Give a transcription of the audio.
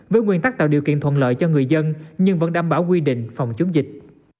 với nguyên tắc tạo điều kiện thuận lợi cho người dân nhưng vẫn đảm bảo quy định phòng chống dịch